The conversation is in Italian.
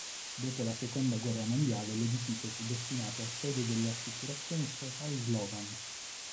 Dopo la Seconda guerra mondiale l'edificio fu destinato a sede delle assicurazioni statali Slovan.